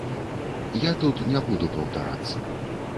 Я тут не буду паўтарацца.